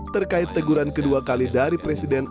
terkait teguran kedua kali dari presiden